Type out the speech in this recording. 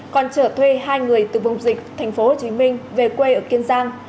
còn trở thuê hai người từ vùng dịch tp hcm về quê ở kiên giang